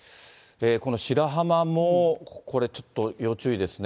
この白浜もこれ、ちょっと要注意ですね。